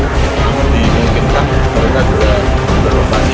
namun dimungkinkan mereka juga beroperasi